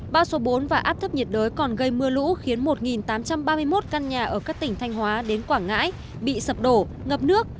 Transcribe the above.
bão số bốn và áp thấp nhiệt đới còn gây mưa lũ khiến một tám trăm ba mươi một căn nhà ở các tỉnh thanh hóa đến quảng ngãi bị sập đổ ngập nước